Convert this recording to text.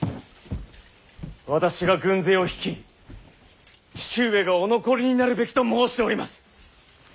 私が軍勢を率い父上がお残りになるべきと申しております！